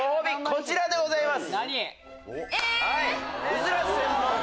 こちらでございます！